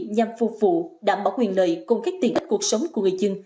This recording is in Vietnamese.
nhằm phục vụ đảm bảo nguyện lợi cung kết tiền ích cuộc sống của người dân